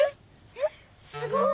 えっすごい！